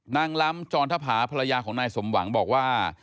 ล้ำจรทภาภรรยาของนายสมหวังบอกว่า